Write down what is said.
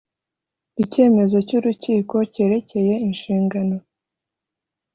icyemezo cy’urukiko cyerekeye inshingano